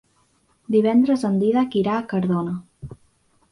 Divendres en Dídac irà a Cardona.